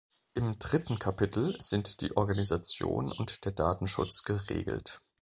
Im dritten Kapitel sind die Organisation und der Datenschutz geregelt.